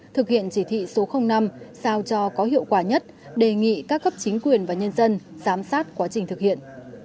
thực hiện chỉ thị số năm sao cho có hiệu quả nhất đề nghị các cấp chính quyền và nhân dân giám sát quá trình thực hiện